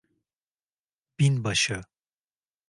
Binbaşı.